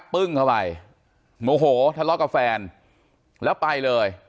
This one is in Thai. ปึ้งเข้าไปโมโหทะเลาะกับแฟนแล้วไปเลย